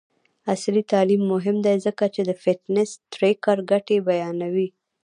عصري تعلیم مهم دی ځکه چې د فټنس ټریکر ګټې بیانوي.